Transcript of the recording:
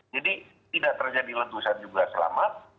jadi tidak terjadi letusan juga selamat